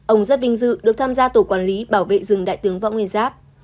ông rất vinh dự được tham gia tổ quản lý bảo vệ rừng đại tướng võ nguyên giáp